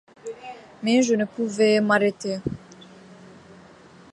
Mais je ne pouvais m’arrêter.